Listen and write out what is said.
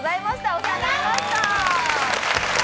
お世話になりました。